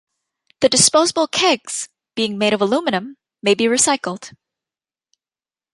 The disposable kegs, being made of aluminum, may be recycled.